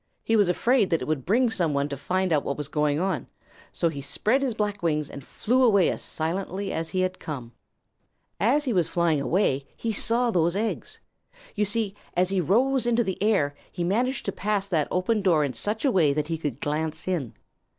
He was afraid that it would bring some one to find out what was going on. So he spread his black wings and flew away as silently as he had come. As he was flying away he saw those eggs. You see, as he rose into the air, he managed to pass that open door in such a way that he could glance in.